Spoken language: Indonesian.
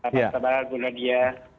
selamat lebaran bu nadia